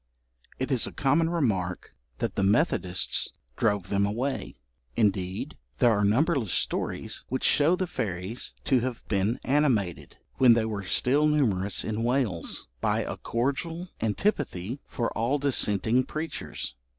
It is a common remark that the Methodists drove them away; indeed, there are numberless stories which show the fairies to have been animated, when they were still numerous in Wales, by a cordial antipathy for all dissenting preachers.